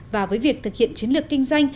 và với việc thực hiện chiến lược kinh doanh